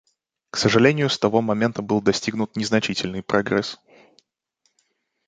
К сожалению, с того момента был достигнут незначительный прогресс.